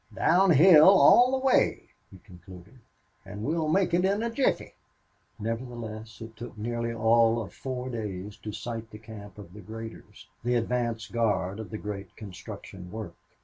"Down hill all the way," he concluded. "An' we'll make it in a jiffy." Nevertheless, it took nearly all of four days to sight the camp of the traders the advance guard of the great construction work.